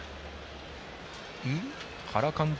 原監督